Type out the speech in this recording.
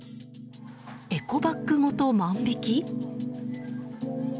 エコバッグごと万引き？